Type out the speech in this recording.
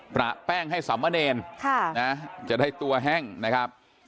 ประแป้งให้สำมะเนรจะได้ตัวแห้งนะครับ